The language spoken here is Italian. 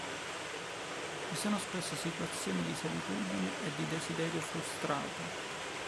Vi sono spesso situazioni di solitudine e di desiderio frustrato.